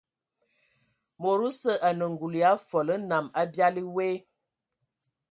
Mod osə anə ngul ya fol nnam abiali woe.